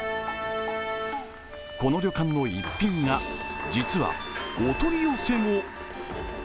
この旅館の逸品が、実はお取り寄せも。